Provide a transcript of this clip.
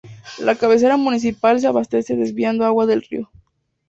La cabecera municipal se abastece desviando agua del río.